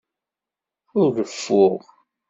Ur reffuɣ.